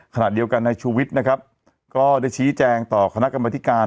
ขณะเดียวกันในชูวิทย์นะครับก็ได้ชี้แจงต่อคณะกรรมธิการ